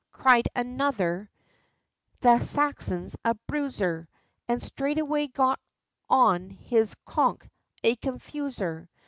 cried another, 'The Saxon's a bruiser!' And straightway got one on his 'conk' a confuser!